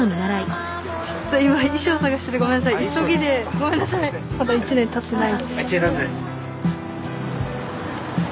あっ１年たってない。